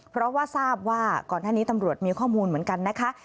เพราะว่าทราบว่าก่อนหน้านี้ตำรวจมีข้อมูลเหมือนกันนะคะ